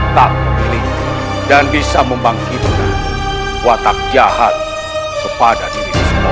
tak dan bisa membangkitkan watak jahat kepada diri semua